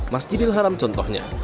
masjidil haram contohnya